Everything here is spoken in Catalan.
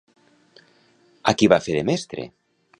A qui va fer de mestre?